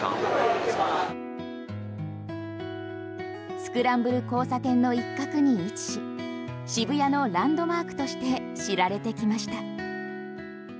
スクランブル交差点の一画に位置し渋谷のランドマークとして知られてきました。